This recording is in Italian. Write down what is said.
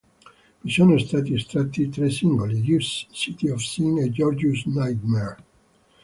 Vi sono stati estratti tre singoli: "Issues", "City of Sin" e "Gorgeous Nightmare".